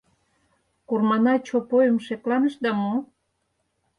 — Курманай Чопойым шекланышда мо?